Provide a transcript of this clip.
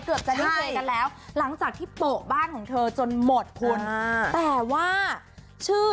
เกือบจะได้เจอกันแล้วหลังจากที่โปะบ้านของเธอจนหมดคุณแต่ว่าชื่อ